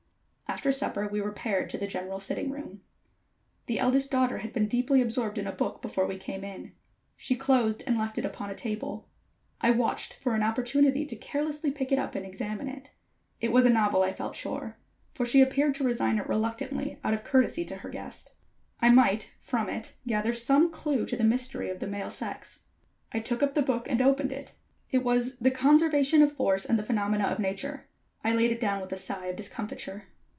After supper we repaired to the general sitting room. The eldest daughter had been deeply absorbed in a book before we came in. She closed and left it upon a table. I watched for an opportunity to carelessly pick it up and examine it. It was a novel I felt sure, for she appeared to resign it reluctantly out of courtesy to her guest. I might, from it, gather some clue to the mystery of the male sex. I took up the book and opened it. It was The Conservation of Force and The Phenomena of Nature. I laid it down with a sigh of discomfiture.